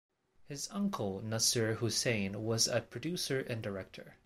His uncle Nasir Hussain was a producer and director.